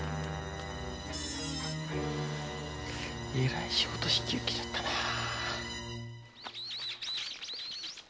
エライ仕事引き受けちゃったなあ！